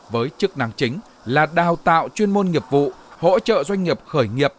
với chức năng chính là đào tạo chuyên môn nghiệp vụ hỗ trợ doanh nghiệp khởi nghiệp